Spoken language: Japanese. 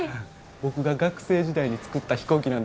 僕が学生時代に作った飛行機なんです。